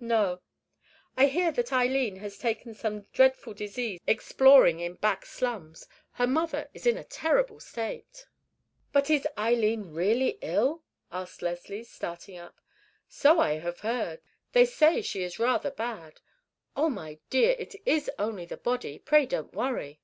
"No." "I hear that Eileen has taken some dreadful disease exploring in back slums. Her mother is in a terrible state." "But is Eileen really ill?" asked Leslie, starting up. "So I have heard; they say she is rather bad. Oh, my dear, it is only the body; pray don't worry!"